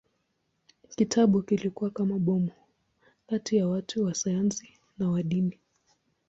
Kitabu kilikuwa kama bomu kati ya watu wa sayansi na wa dini.